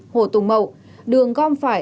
hồ tùng mậu đường gom phải